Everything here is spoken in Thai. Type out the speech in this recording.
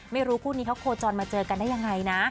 ไม่รู้คู่นี้เขาโคจรมาเจอกันได้ยังไงนะ